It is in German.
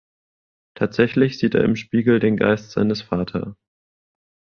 Tatsächlich sieht er im Spiegel den Geist seines Vater.